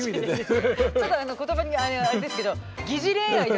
ちょっと言葉あれですけどあ